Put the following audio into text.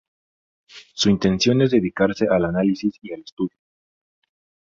Su intención es dedicarse al análisis y al estudio.